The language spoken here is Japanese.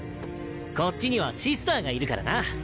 こっちにはシスターがいるからな。